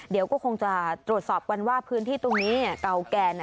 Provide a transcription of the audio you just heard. เดี๋ยวก็คงจะตรวจสอบกันว่าพื้นที่ตรงนี้เก่าแก่นะ